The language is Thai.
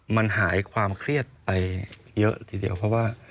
มันหายความเครียดไปเยอะทีเดียวเพราะว่า